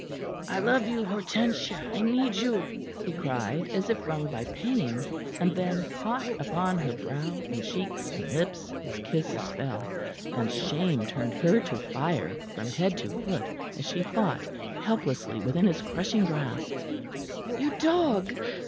"I love you, Hortensia! I need you!" he cried, as if wrung by pain, and then hot upon her brow and cheeks and lips his kisses fell, and shame turned her to fire from head to foot as she fought helplessly within his crushing grasp. "You dog!"